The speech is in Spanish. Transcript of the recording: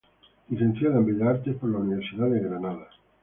Licenciada en Bellas Artes por la Universidad de Granada.